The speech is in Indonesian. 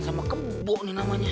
sama kebo nih namanya